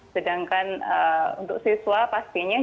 sedangkan untuk siswa pastinya